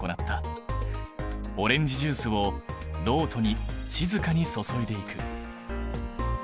オレンジジュースをろうとに静かに注いでいく。